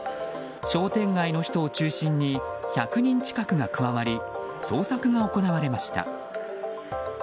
商店街の人を中心に１００人近くが加わり捜索が行われました。